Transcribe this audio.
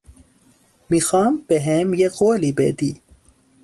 می خوام بهم یه قولی بدی